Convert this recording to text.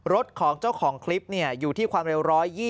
รถของเจ้าของคลิปอยู่ที่ความเร็ว๑๒๐